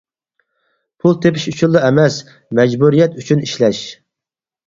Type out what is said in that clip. پۇل تېپىش ئۈچۈنلا ئەمەس، مەجبۇرىيەت ئۈچۈن ئىشلەش.